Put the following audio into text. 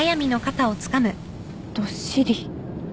どっしり。